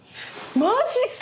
マジか！